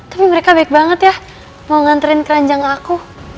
tapi mereka baik banget ya mau nganterin keranjang aku